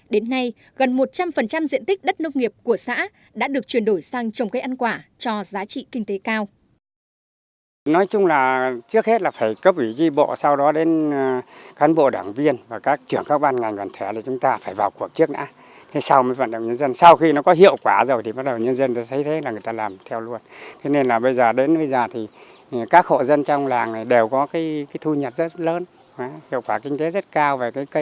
đến nay gần một trăm linh diện tích đất nước nghiệp của xã đã được truyền đổi sang trồng cây ăn quả cho giá trị kinh tế cao